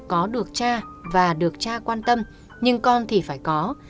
mẹ không được cha và được cha quan tâm nhưng con thì phải có